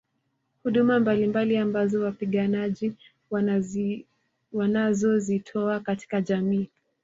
Huduma mbalimbali ambazo wapiganaji wanazozitoa katika jamii